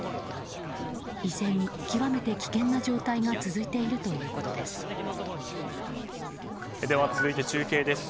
依然、極めて危険な状態が続いているということです。